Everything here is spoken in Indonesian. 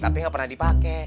tapi gak pernah dipake